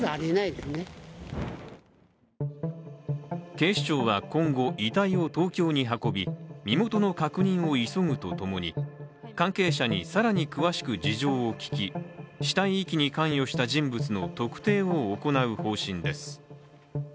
警視庁は今後、遺体を東京に運び、身元の確認を急ぐとともに関係者に更に詳しく事情を聴き死体遺棄に関与した人物の特定を行う予定です